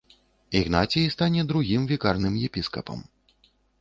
Ігнацій стане другім вікарным епіскапам.